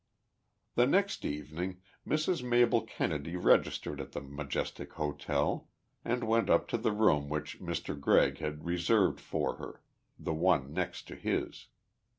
The next evening Mrs. Mabel Kennedy registered at the Majestic Hotel, and went up to the room which Mr. Gregg had reserved for her the one next to his.